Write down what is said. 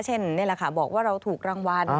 นี่แหละค่ะบอกว่าเราถูกรางวัล